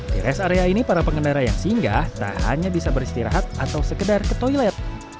di rest area ini para pengendara yang singgah tak hanya bisa beristirahat atau sekedar ke toilet